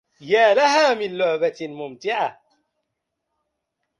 يا لها من لعبة ممتعة